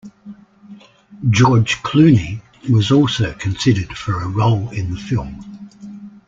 George Clooney was also considered for a role in the film.